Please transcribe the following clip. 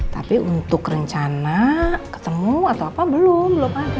tapi untuk rencana ketemu atau apa belum belum ada